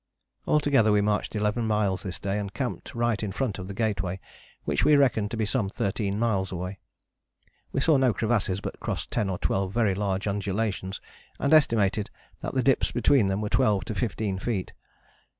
" Altogether we marched eleven miles this day, and camped right in front of the Gateway, which we reckoned to be some thirteen miles away. We saw no crevasses but crossed ten or twelve very large undulations, and estimated that the dips between them were twelve to fifteen feet.